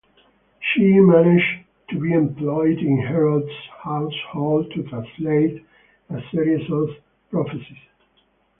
She manages to be employed in Herod's household to translate a series of prophecies.